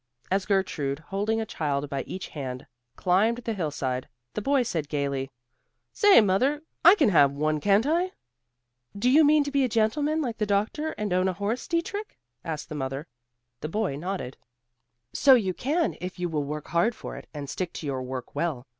As Gertrude, holding a child by each hand, climbed the hillside, the boy said gaily, "Say, mother, I can have one, can't I?" "Do you mean to be a gentleman like the doctor, and own a horse, Dietrich?" asked the mother. The boy nodded. "So you can, if you will work hard for it, and stick to your work well.